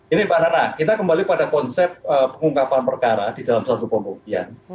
ini pak rana kita kembali pada konsep pengungkapan perkara di dalam satu kompokian